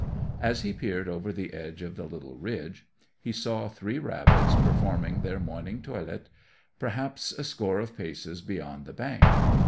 As he peered over the edge of the little ridge, he saw three rabbits performing their morning toilet, perhaps a score of paces beyond the bank.